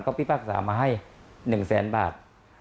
ก็พิพากษามาให้๑แสนบาท